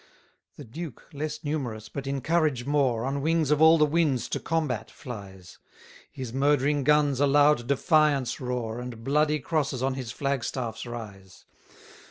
55 The Duke, less numerous, but in courage more, On wings of all the winds to combat flies: His murdering guns a loud defiance roar, And bloody crosses on his flag staffs rise.